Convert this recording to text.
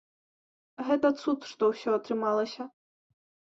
Гэта цуд, што ўсё атрымалася.